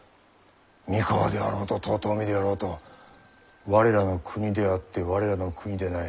三河であろうと遠江であろうと我らの国であって我らの国でない。